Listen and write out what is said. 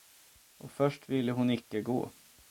Och först ville hon icke gå.